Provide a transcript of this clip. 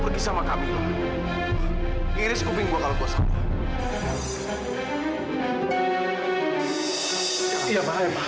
buat masalah siapa sih kamu enggak pernah mau berubah edo kenapa sih kamu masih seperti ini